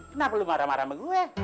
kenapa lu marah marah sama gue